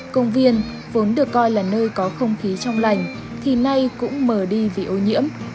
công viên vốn được coi là nơi có không khí trong lành thì nay cũng mờ đi vì ô nhiễm